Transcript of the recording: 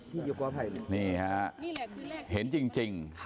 นี่ฮะเห็นจริง